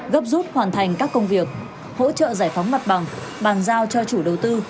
gấp rút hoàn thành các công việc hỗ trợ giải phóng mặt bằng bàn giao cho chủ đầu tư